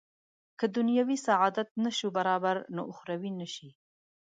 که دنیوي سعادت نه شو برابر نو اخروي نه شي.